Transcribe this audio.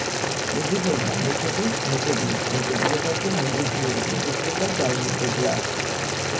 მეზობელმა მეზობელს მეზობლის მეზობლობაზე მეზობლური მეზობლობა დაუმეზობლა